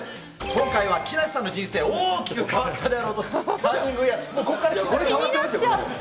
今回は木梨さんの人生、大きく変わったであろう年、ターニングイヤー。